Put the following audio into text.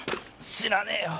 知らねえよ